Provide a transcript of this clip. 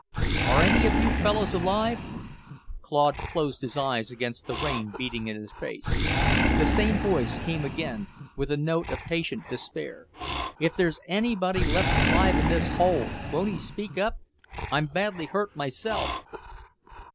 "Are any of you fellows alive?" Claude closed his eyes against the rain beating in his face. The same voice came again, with a note of patient despair. "If there's anybody left alive in this hole, won't he speak up? I'm badly hurt myself."